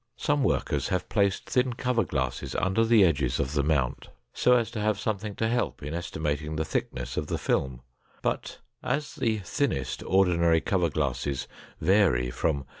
Some workers have placed thin cover glasses under the edges of the mount so as to have something to help in estimating the thickness of the film, but as the thinnest ordinary cover glasses vary from